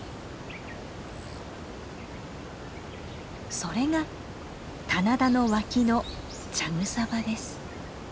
それが棚田の脇の茶草場です。